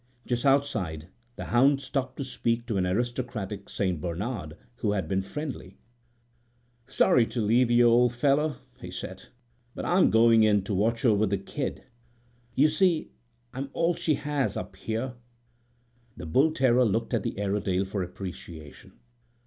Just outside the hound stopped to speak to an aristocratic St. Bernard who had been friendly: "Sorry to leave you, old fellow," he said, "but I'm going in to watch over the kid. You see, I'm all she has up here." The bull terrier looked at the Airedale for appreciation.